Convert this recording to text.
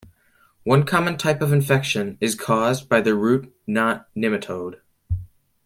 One common type of infection is caused by the root-knot nematode.